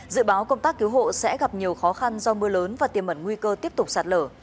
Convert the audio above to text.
dự báo công tác cứu hộ sẽ gặp nhiều khó khăn do mưa lớn và tiềm mẩn nguy cơ tiếp tục sạt lở